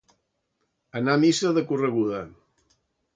Anar a missa de correguda.